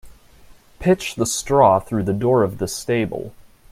Pitch the straw through the door of the stable.